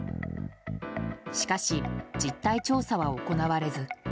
しかし、実態調査は行われず。